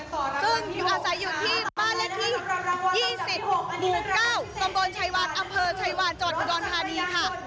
ซึ่งอาศัยอยู่ที่บ้านเลขที่๒๐๙ตรชายวานอชายวานจภดรภานี